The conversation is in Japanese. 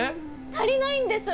足りないんです！